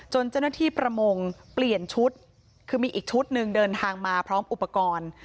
เจ้าหน้าที่ประมงเปลี่ยนชุดคือมีอีกชุดหนึ่งเดินทางมาพร้อมอุปกรณ์